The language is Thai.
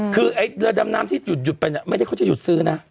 คือเรือดำน้ำที่หยุดไปเนี่ยไม่ได้เขาจะหยุดซื้อนะ